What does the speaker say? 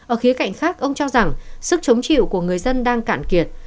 ở khía cạnh khác ông cho rằng sức chống chịu của người dân đang cạn kiệt